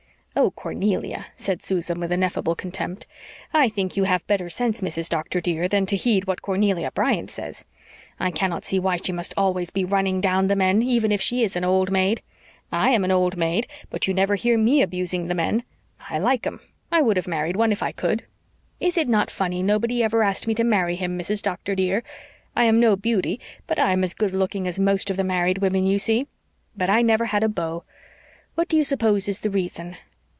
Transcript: "Oh, Cornelia!" said Susan, with ineffable contempt. "I think you have better sense, Mrs. Doctor, dear, than to heed what Cornelia Bryant says. I cannot see why she must be always running down the men, even if she is an old maid. I am an old maid, but you never hear ME abusing the men. I like 'em. I would have married one if I could. Is it not funny nobody ever asked me to marry him, Mrs. Doctor, dear? I am no beauty, but I am as good looking as most of the married women you see. But I never had a beau. What do you suppose is the reason?"